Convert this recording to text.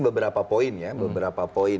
beberapa poin ya beberapa poin